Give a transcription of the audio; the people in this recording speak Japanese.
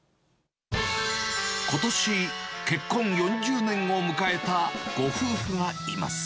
ことし、結婚４０年を迎えたご夫婦がいます。